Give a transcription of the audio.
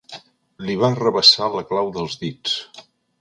Li va arrabassar la clau dels dits.